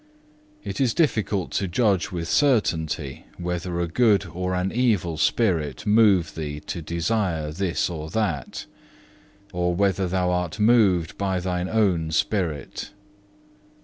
It is difficult to judge with certainty whether a good or an evil spirit move thee to desire this or that, or whether thou art moved by thine own spirit.